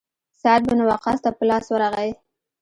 سعد بن وقاص ته په لاس ورغی.